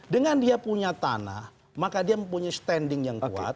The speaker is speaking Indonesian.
dengan dia punya tanah maka dia mempunyai standing yang kuat